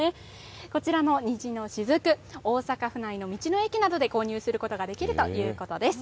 こちらの虹の雫、大阪府内の道の駅などで購入することができるということです。